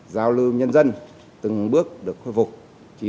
giao lưu nhân dân từng bước được khôi vục